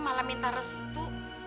malah minta restu